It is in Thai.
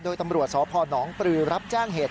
โดยตำรวจสพนปรือรับแจ้งเหตุ